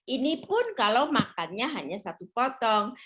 ini pun kalau makannya hanya satu potong